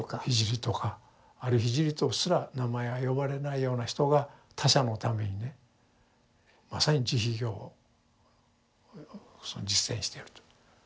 聖とかある聖とすら名前は呼ばれないような人が他者のためにねまさに慈悲行を実践してると。